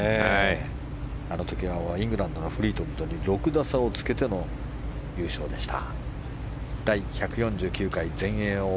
あの時イングランドのフリートウッドに６打差をつけての優勝でした。